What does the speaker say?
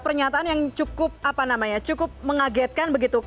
pernyataan yang cukup mengagetkan begitu